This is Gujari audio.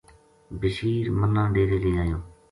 بشیر مَنا ڈیرے لے آیو